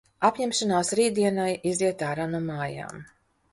Apņemšanās rītdienai – iziet ārā no mājām.